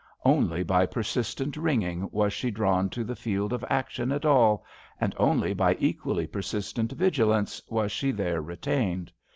Only by persistent ringing was she drawn to the field of action at all, and only by equally persistent vigilance was she there retained.